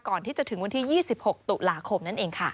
ก่อนที่จะถึงวันที่๒๖ตุลาคมนั่นเองค่ะ